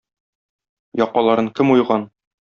Якаларын кем уйган?